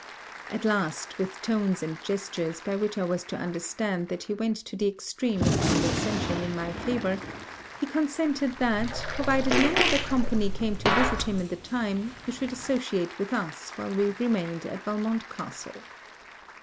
At last, with tones and gestures, by which I was to understand that he went to the extreme of condescension in my favour, he consented that, provided no other company came to visit him in the time, you should associate with us while we remained at Valmont castle.